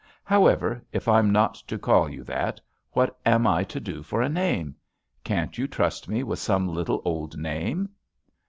However, if I'm not to call you that, what am I to do for a name? Can't you trust me with some little old name?"